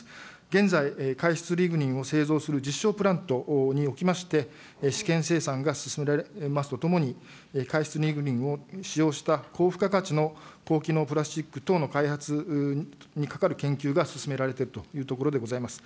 現在、改質リグニンを製造する実証プラントにおきまして、試験生産が進められますとともに、改質リグニンを使用した高付加価値の高機能プラスチック等の開発にかかる研究が進められているというところでございます。